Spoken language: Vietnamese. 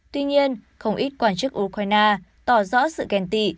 tuy nhiên không ít quan chức ukraine tỏ rõ sự kèn tị